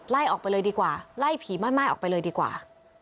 ไล่ออกไปเลยดีกว่าไล่ผีม่ายออกไปเลยดีกว่า